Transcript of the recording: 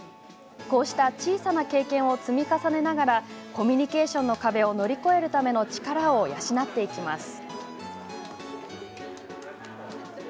こうした小さな経験を積み重ねながらコミュニケーションの壁を乗り越えるための力を養っていきます。